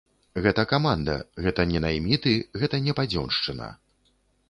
Гэта каманда, гэта не найміты, гэта не падзёншчына.